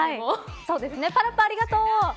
パラッパ、ありがとう。